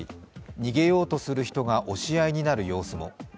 逃げようとする人が押し合いになる様子も。